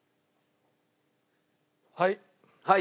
はい。